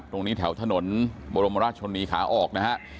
ตรงนี้แถวถนนบรมราชชนนีขาออกนะฮะ